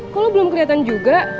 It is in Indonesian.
kok lo belum keliatan juga